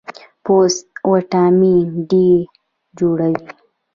پوست وټامین ډي جوړوي.